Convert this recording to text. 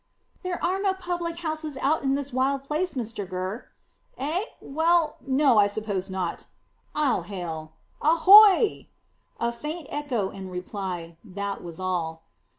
"There are no public houses out in this wild place, Mr Gurr." "Eh? Well, no, I suppose not. I'll hail. Ahoy?" A faint echo in reply. That was all.